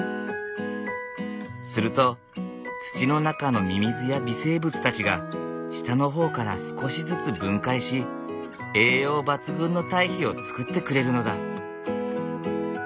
すると土の中のミミズや微生物たちが下の方から少しずつ分解し栄養抜群の堆肥を作ってくれるのだ。